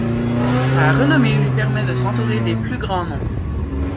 Sa renommée lui permet de s'entourer des plus grands noms.